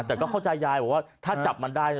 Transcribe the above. แต่ก็เข้าใจยายบอกว่าถ้าจับมันได้นะ